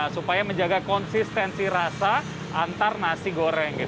supaya menjaga konsistensi rasa antar nasi goreng